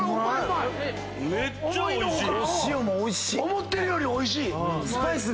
思ってるよりおいしい。